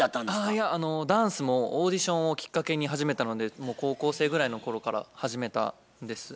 いやダンスもオーディションをきっかけに始めたので高校生ぐらいの頃から始めたんです。